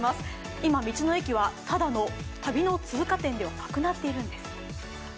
今、道の駅はただの旅の通過点ではなくなっているんです。